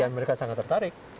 dan mereka sangat tertarik